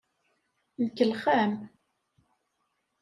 Nkellex-am.